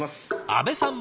阿部さん